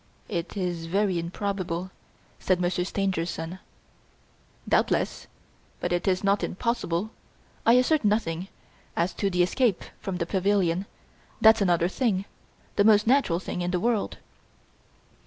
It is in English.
"It is very improbable," said Monsieur Stangerson. "Doubtless but it is not impossible. I assert nothing. As to the escape from the pavilion that's another thing, the most natural thing in the world."